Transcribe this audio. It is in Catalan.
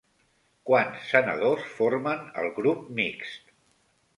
Quants senadors formen el grup mixt?